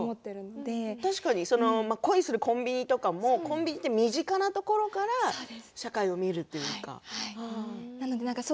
確かに恋するコンビニ事件もコンビニという身近なところから社会を見るんですもんね。